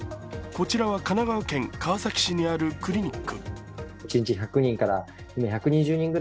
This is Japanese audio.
こちらは神奈川県川崎市にあるクリニック。